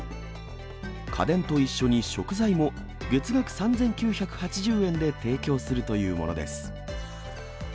家電と一緒に食材も月額３９８０円で提供するというものです。